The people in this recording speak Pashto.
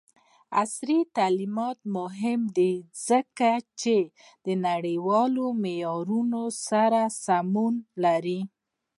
عصري تعلیم مهم دی ځکه چې نړیوالو معیارونو سره سمون لري.